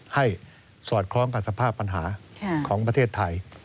สอดคล้องกับสภาพปัญหาของประเทศไทย